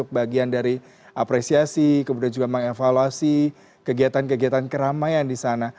bagian dari apresiasi kemudian juga mengevaluasi kegiatan kegiatan keramaian di sana